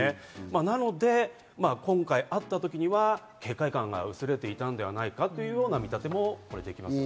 なので、今回会ったときには警戒感が薄れていたんではないかというような見立てもしています。